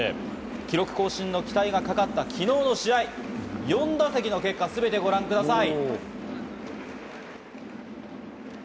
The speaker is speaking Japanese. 記録更新の期待がかかった昨日の試合、４打席の結果すべてご覧ください。